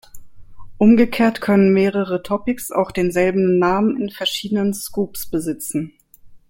Umgekehrt können mehrere Topics auch denselben Namen in verschiedenen "Scopes" besitzen.